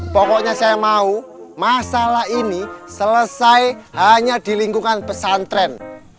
pokoknya saya mau masalah ini selesai hanya di lingkungan pesantren